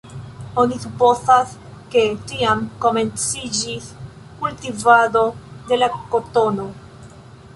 Oni supozas, ke tiam komenciĝis kultivado de la kotono.